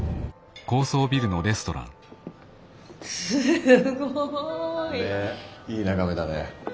すごい。ねえいい眺めだね。